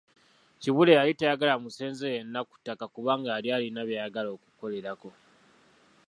Kibuule yali tayagala musenze yenna ku ttaka kubanga yali alina by’ayagala okukolerako.